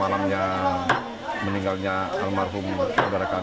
aduker yang mencoba menteri mesyuarat di jawa berhasil berkata kata mend suzanne khazik khan